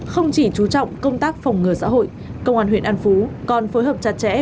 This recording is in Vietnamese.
không chỉ chú trọng công tác phòng ngừa xã hội công an huyện an phú còn phối hợp chặt chẽ